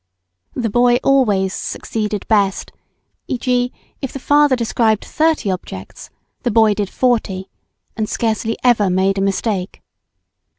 The boy always succeeded best, e.g., if the father described 30 objects, the boy did 40, and scarcely ever made a mistake.